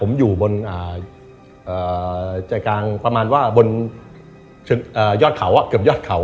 ผมอยู่บนใจกลางประมาณว่าบนยอดเขาเกือบยอดเขา